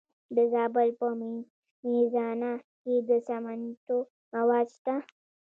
د زابل په میزانه کې د سمنټو مواد شته.